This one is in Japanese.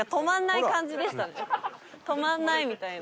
止まらないみたいな。